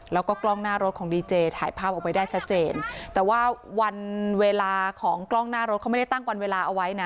แล้วก็กล้องหน้ารถของดีเจถ่ายภาพเอาไว้ได้ชัดเจนแต่ว่าวันเวลาของกล้องหน้ารถเขาไม่ได้ตั้งวันเวลาเอาไว้นะ